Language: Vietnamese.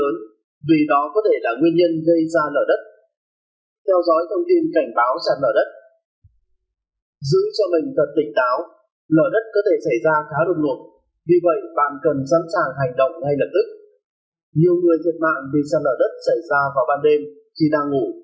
nhiều người thiệt mạng vì sạt lở đất xảy ra vào ban đêm khi đang ngủ